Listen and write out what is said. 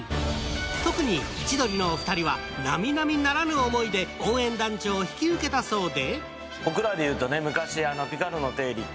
特に千鳥のお二人は並々ならぬ思いで応援団長を引き受けたそうで。